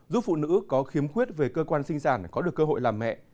giúp phụ nữ có khiếm khuyết về cơ quan sinh sản có được cơ hội làm mẹ